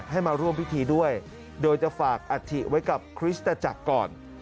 ให้มาร่วมพิธีด้วยโดยจะฝากอัฐิไว้กับคริสตจักรก่อน